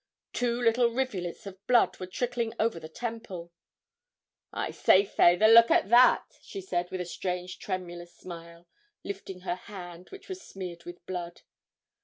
Two little rivulets of blood were trickling over her temple. 'I say, fayther, look at that,' she said, with a strange tremulous smile, lifting her hand, which was smeared with blood.